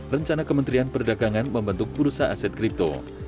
rencana kementerian perdagangan membentuk bursa aset kripto